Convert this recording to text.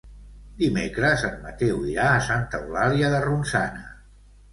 Dimecres en Mateu irà a Santa Eulàlia de Ronçana.